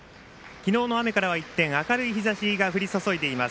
昨日の雨からは一転明るい日ざしが降り注いでいます。